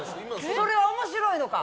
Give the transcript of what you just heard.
それは面白いのか？